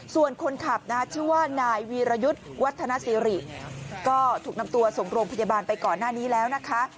ส่วนคนขับชื่อว่านายวีรยุทธ์วัฒนสิริก็ถูกนำตัวส่งโรงพยาบาลไปก่อนหน้านี้แล้วนะคะ